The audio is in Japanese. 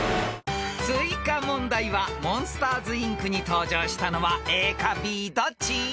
［追加問題は『モンスターズ・インク』に登場したのはＡかＢどっち？］